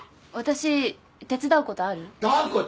私手伝うことある？